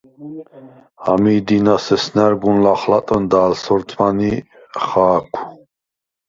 ამი̄ დი̄ნას ესნა̈რ გუნ ლახლატჷნდა ალ სორთმან ი ხა̄̈ქუ̂: